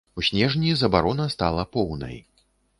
У снежні забарона стала поўнай.